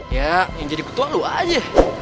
ya yang jadi ketua lu aja